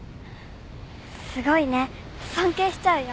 すごいね尊敬しちゃうよ。